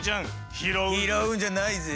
拾うんじゃないぜ。